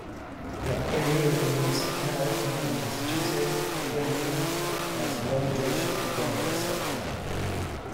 Like every other municipality in Massachusetts, Springfield has no judicial branch itself.